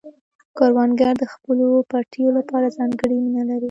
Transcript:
کروندګر د خپلو پټیو لپاره ځانګړې مینه لري